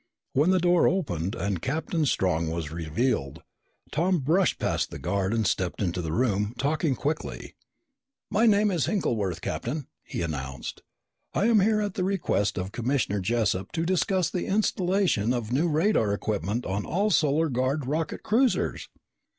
When the door opened and Captain Strong was revealed, Tom brushed past the guard and stepped into the room, talking quickly. "My name is Hinkleworth, Captain," he announced. "I am here at the request of Commissioner Jessup to discuss the installation of new radar equipment on all Solar Guard rocket cruisers!"